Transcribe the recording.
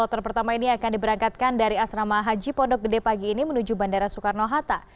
kloter pertama ini akan diberangkatkan dari asrama haji pondok gede pagi ini menuju bandara soekarno hatta